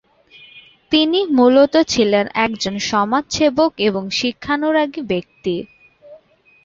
তিনি মূলত ছিলেন একজন সমাজসেবক এবং শিক্ষানুরাগী ব্যক্তি।